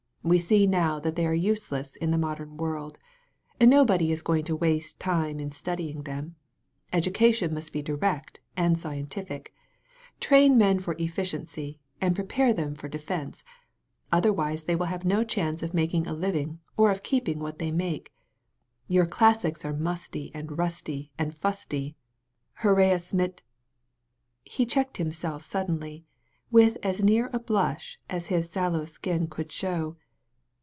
We see now that they are useless in the modem world. Nobody is going to waste time in studying them. Education must be direct and scientific. Train men for eflBciency and prepare them for defense. Otherwise they will have no chance of making a living or of keeping what they make. Your classics are musty and rusty and fusty. Heraus mit " He checked himself suddenly, with as near a blush as his sallow skin could show.